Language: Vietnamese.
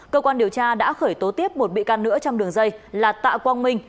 cơ quan điều tra đã khởi tố tiếp một bị can nữa trong đường dây là tạ quang minh